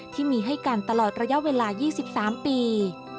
ที่มีให้กันตลอดระยะเวลา๒๓ปี